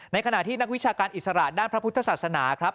ในขณะที่นักวิชาการอิสระด้านพระพุทธศาสนาครับ